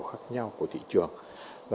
khác nhau của thị trường